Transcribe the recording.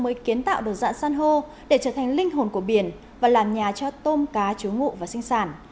mới kiến tạo được dạng san hô để trở thành linh hồn của biển và làm nhà cho tôm cá chú ngự và sinh sản